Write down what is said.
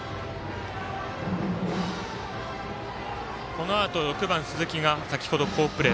このあと６番鈴木が先ほど好プレー。